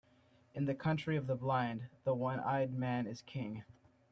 In the country of the blind, the one-eyed man is king.